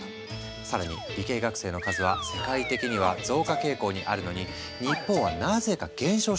更に理系学生の数は世界的には増加傾向にあるのに日本はなぜか減少しているんだ！